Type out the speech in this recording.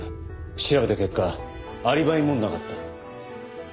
調べた結果アリバイもなかった。